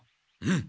うん。